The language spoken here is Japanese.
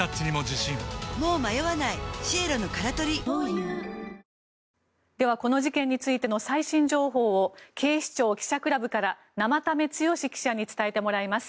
乳酸菌が一時的な胃の負担をやわらげるでは、この事件についての最新情報を警視庁記者クラブから生田目剛記者に伝えてもらいます。